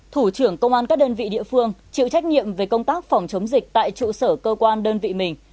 thủ trưởng công an các đơn vị địa phương chịu trách nhiệm về công tác phòng chống dịch tại trụ sở cơ quan đơn vị mình